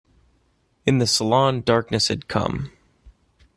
In the salon darkness had come.